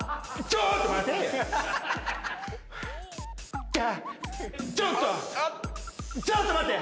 ちょっと待って！